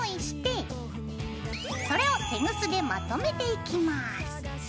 それをテグスでまとめていきます。